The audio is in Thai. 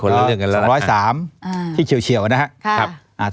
แล้ว๒๐๓ที่เฉียวนะฮะ